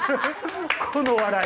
この笑い！